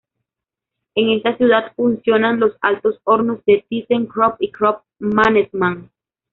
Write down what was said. En esta ciudad funcionan los altos hornos de Thyssen-Krupp y Krupp-Mannesmann.